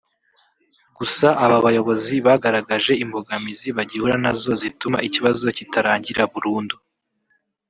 Gusa aba bayobozi bagaragaje imbogamizi bagihura nazo zituma ikibazo kitarangira burundu